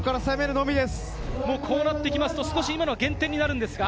こうなってきますと、少し今のは減点になるんですか？